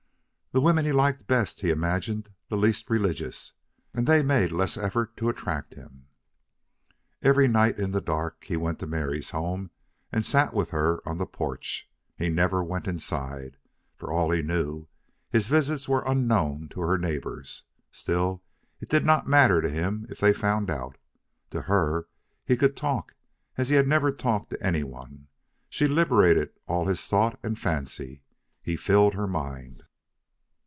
The women he liked best he imagined the least religious, and they made less effort to attract him. Every night in the dark he went to Mary's home and sat with her on the porch. He never went inside. For all he knew, his visits were unknown to her neighbors. Still, it did not matter to him if they found out. To her he could talk as he had never talked to any one. She liberated all his thought and fancy. He filled her mind.